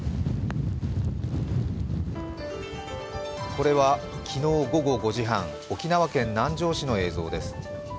これは昨日午後５時半沖縄県南城市の映像です。